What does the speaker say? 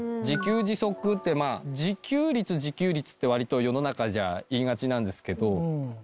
自給自足ってまあ自給率自給率って割と世の中じゃ言いがちなんですけど